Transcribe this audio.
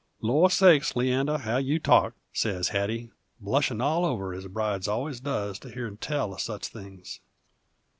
"Lor's sakes, Leander, how you talk!" sez Hattie, blushin' all over, ez brides allers does to heern tell uv sich things.